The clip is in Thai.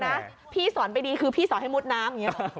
นะพี่สอนไปดีคือพี่สอนให้มุดน้ำอย่างนี้หรอ